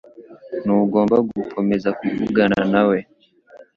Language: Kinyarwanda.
Ntugomba gukomeza kuvugana nawe.